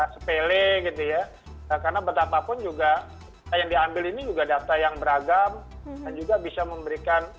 sepele gitu ya karena betapapun juga yang diambil ini juga data yang beragam dan juga bisa memberikan